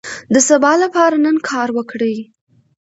د سبا لپاره نن کار وکړئ.